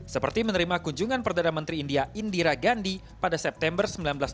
seperti menerima kunjungan perdana menteri india indira gandhi pada september seribu sembilan ratus enam puluh